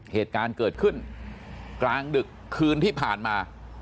เหตุการณ์เกิดขึ้นกลางดึกคืนที่ผ่านมา